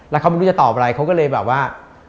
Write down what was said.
แล้วเขาไม่รู้จะตอบอะไรเขาก็เลยแบบว่า